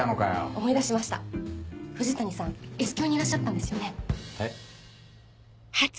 思い出しました藤谷さんＳ響にいらっしゃったんですよね。